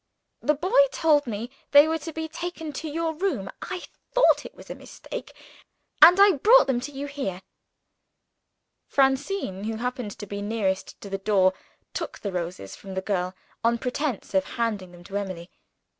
"The boy told me they were to be taken to your room. I thought it was a mistake, and I have brought them to you here." Francine, who happened to be nearest to the door, took the roses from the girl on pretense of handing them to Emily.